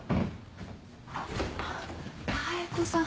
妙子さん